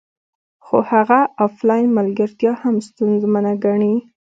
خو هغه افلاین ملګرتیا هم ستونزمنه ګڼي